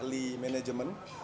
yang di bawah salih management